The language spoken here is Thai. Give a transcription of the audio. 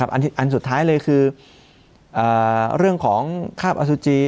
อันสุดท้ายเลยคือเรื่องของคาบอสุจิ